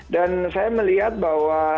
dan saya melihat bahwa